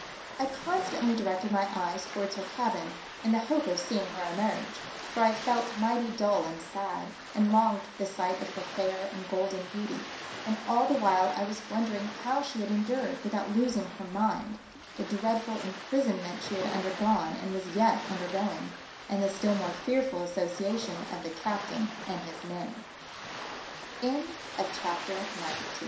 I constantly directed my eyes towards her cabin, in the hope of seeing her emerge, for I felt mighty dull and sad, and longed for the sight of her fair and golden beauty ; and all the while I was wondering how she had endured, without losing her mind, the dread ful imprisonment she had undergone and was yet undergoing, and the still more fea